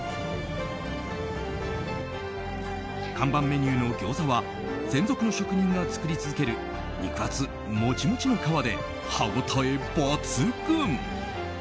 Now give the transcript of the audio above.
看板メニューの餃子は専属の職人が作り続ける肉厚、モチモチの皮で歯応え抜群。